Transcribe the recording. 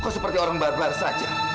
kok seperti orang barbar saja